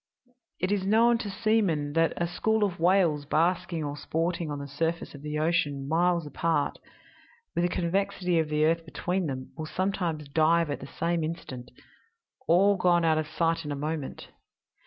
"It is known to seamen that a school of whales basking or sporting on the surface of the ocean, miles apart, with the convexity of the earth between them, will sometimes dive at the same instant all gone out of sight in a moment.